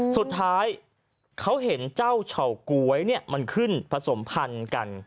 สุดท้ายเขาเห็นเจ้าเฉาก๊วยมันขึ้นผสมพันธุ์กัน